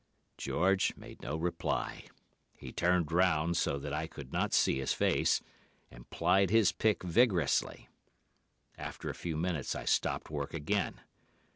"George made no reply. He turned round, so that I could not see his face, and plied his pick vigorously. After a few minutes I stopped work again.